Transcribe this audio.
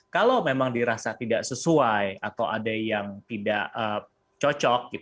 kalau memang dirasa tidak sesuai atau ada yang tidak cocok